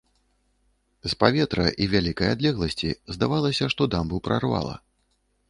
З паветра і вялікай адлегласці здавалася, што дамбу прарвала.